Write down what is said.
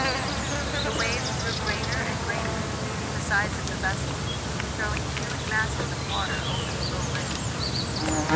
The waves grew greater and greater, beating the sides of the vessel, throwing huge masses of water over the low rail.